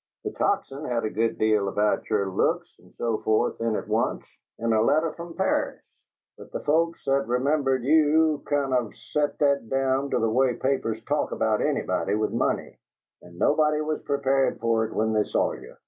The Tocsin had a good deal about your looks and so forth in it once, in a letter from Paris, but the folks that remembered you kind of set that down to the way papers talk about anybody with money, and nobody was prepared for it when they saw you.